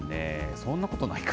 そんなことないか。